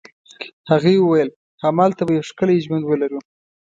هغې وویل: همالته به یو ښکلی ژوند ولرو.